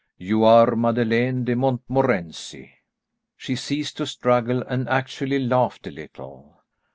You are Madeleine de Montmorency." She ceased to struggle, and actually laughed a little.